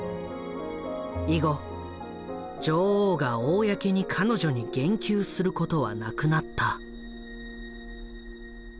以後女王が公に彼女に言及することはなくなった。